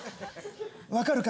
わかるか？